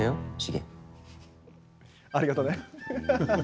ありがとうね。